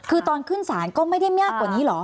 คือตอนขึ้นศาลก็ไม่ได้มากกว่านี้เหรอ